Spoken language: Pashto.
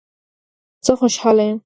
زه خوشحاله یم